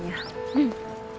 うん。